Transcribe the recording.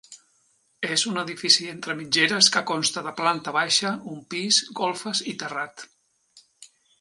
És un edifici entre mitgeres que consta de planta baixa, un pis, golfes i terrat.